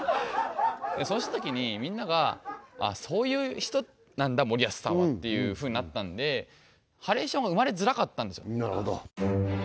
それしたときにみんながそういう人なんだ守安さんはっていうふうになったんでハレーションは生まれづらかったんですよ